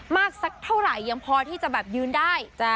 สักเท่าไหร่ยังพอที่จะแบบยืนได้